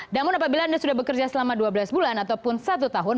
namun apabila anda sudah bekerja selama dua belas bulan ataupun satu tahun